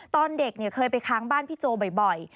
ตอนเด็กเคยไปค้างบ้านพี่โจบ่อย